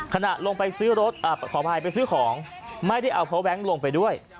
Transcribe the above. ขนาดลงไปซื้อของไม่ได้เอาฮาวเวอร์แบงค์ลงไปด้วย